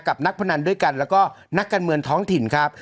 นักพนันด้วยกันแล้วก็นักการเมืองท้องถิ่นครับ